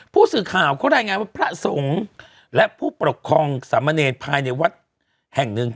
ผู้สื่อข่าวเขารายงานว่าพระสงฆ์และผู้ปกครองสามเณรภายในวัดแห่งหนึ่ง